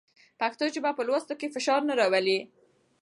پښتو ژبه په لوستلو کې فشار نه راوړي.